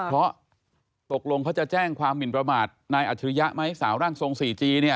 เพราะตกลงเขาจะแจ้งความหมินประมาทนายอัจฉริยะไหมสาวร่างทรงสี่จีเนี่ย